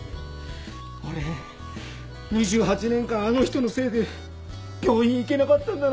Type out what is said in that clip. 俺２８年間あの人のせいで病院行けなかったんだなって。